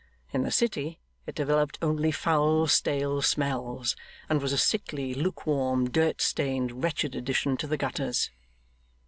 In the city, it developed only foul stale smells, and was a sickly, lukewarm, dirt stained, wretched addition to the gutters.